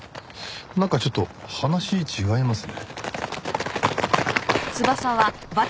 なんかちょっと話違いますね。